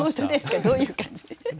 どういう感じ？